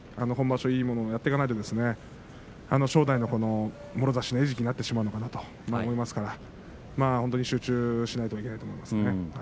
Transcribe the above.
今場所、いいものを見せていかないと正代のもろ差しの餌食になってしまうんじゃないかと思いますから集中しないといけないと思います。